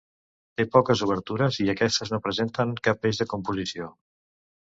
Té poques obertures i aquestes no presenten cap eix de composició.